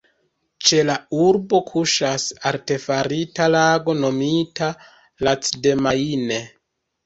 Ĉe la urbo kuŝas artefarita lago nomita "Lac de Maine".